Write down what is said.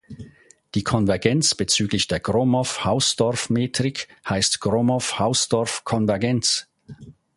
Die Konvergenz bezüglich der Gromov-Hausdorff-Metrik heißt Gromov-Hausdorff-Konvergenz.